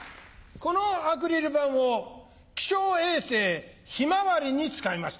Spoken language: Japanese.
このアクリル板を気象衛星ひまわりに使いました。